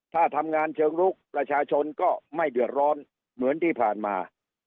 ถ้าทำงานเชิงลุกประชาชนก็ไม่เดือดร้อนเหมือนที่ผ่านมา